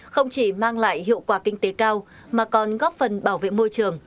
không chỉ mang lại hiệu quả kinh tế cao mà còn góp phần bảo vệ môi trường